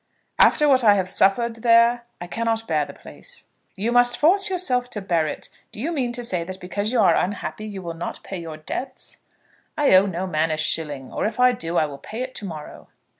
"After what I have suffered there I cannot bear the place." "You must force yourself to bear it. Do you mean to say that because you are unhappy you will not pay your debts?" "I owe no man a shilling; or, if I do, I will pay it to morrow."